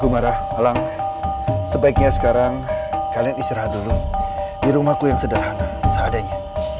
marah alang sebaiknya sekarang kalian istirahat dulu di rumahku yang sederhana seadanya